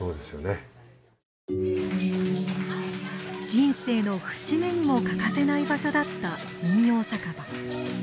人生の節目にも欠かせない場所だった民謡酒場。